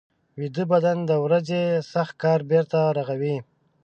ویده بدن د ورځې سخت کار بېرته رغوي